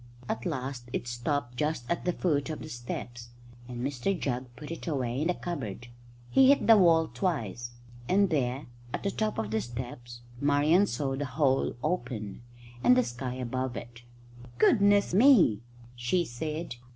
At last it stopped just at the foot of the steps, and Mr Jugg put it away in the cupboard. He hit the wall twice, and there, at the top of the steps, Marian saw the hole open, and the sky above it. "Goodness me!" she said.